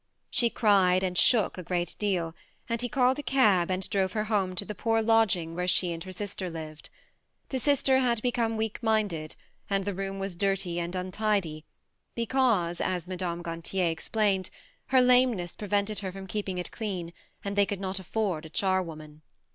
She cried and shook a great deal, and he called a cab and drove her home to the poor lodging where she and her sister lived. The sister had become weak minded, and the room was dirty and untidy, because, as Mme. Gantier explained, her lame ness prevented her from keeping it clean, and they could not afford a charwoman.